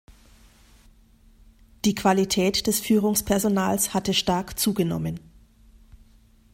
Die Qualität des Führungspersonals hatte stark zugenommen.